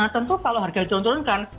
tentu kalau harga turun turunkan